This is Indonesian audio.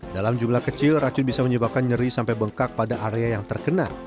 dalam jumlah kecil racun bisa menyebabkan nyeri sampai bengkak pada area yang terkena